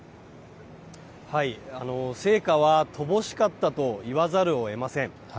成果は乏しかったといわざるをえません。